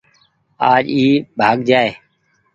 آج اي ڀآڳ جآئي ۔